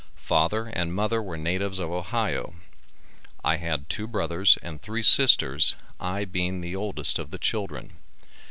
Father and mother were natives of Ohio. I had two brothers and three sisters, I being the oldest of the children.